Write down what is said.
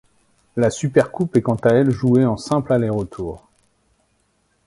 La supercoupe est quant à elle jouée en simple aller-retour.